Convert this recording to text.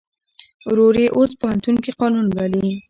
ورور یې اوس پوهنتون کې قانون لولي.